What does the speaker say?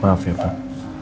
maaf ya pak